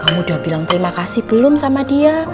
kamu udah bilang terima kasih belum sama dia